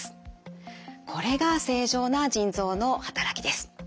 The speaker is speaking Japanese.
これが正常な腎臓の働きです。